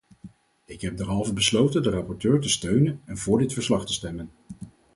Ik heb derhalve besloten de rapporteur te steunen en vóór dit verslag te stemmen.